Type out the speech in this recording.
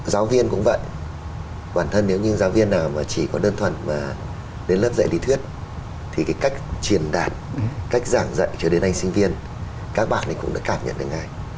giáo viên cũng vậy bản thân nếu như giáo viên nào mà chỉ có đơn thuần mà đến lớp dạy lý thuyết thì cái cách truyền đạt cách giảng dạy cho đến anh sinh viên các bạn ấy cũng đã cảm nhận được ngay